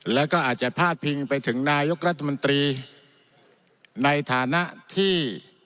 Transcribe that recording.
แล้วก็อาจจะพาดพิงไปถึงนายกรัฐมนตรีในฐานะที่